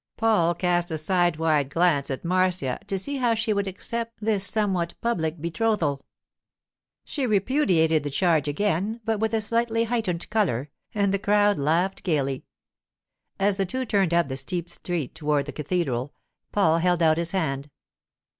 Paul cast a sidewise glance at Marcia to see how she would accept this somewhat public betrothal. She repudiated the charge again, but with a slightly heightened colour, and the crowd laughed gaily. As the two turned up the steep street toward the cathedral, Paul held out his hand.